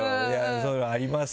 そういうのありますけど。